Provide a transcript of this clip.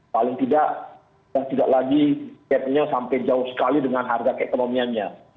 paling tidak dan tidak lagi gap nya sampai jauh sekali dengan harga keekonomiannya